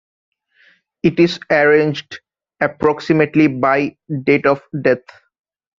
It is arranged, approximately, by date of death.